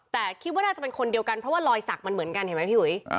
แต่คิดว่าน่าจะเป็นคนเดียวกันเพราะว่ารอยสักมันเหมือนกันเห็นไหมพี่หุย